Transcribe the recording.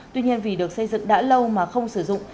tuy nhiên vì được xây dựng đã lâu mà không sử dụng